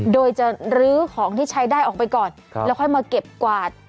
โดยจะลื้อของที่ใช้ได้ออกไปก่อนแล้วค่อยมาเก็บกวาด